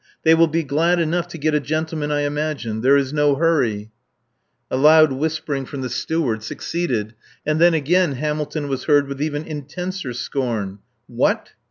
They will be glad enough to get a gentleman I imagine. There is no hurry." A loud whispering from the Steward succeeded and then again Hamilton was heard with even intenser scorn. "What?